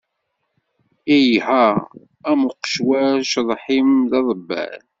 Iha am uqecwal, cceḍḥ-im d aḍebbal.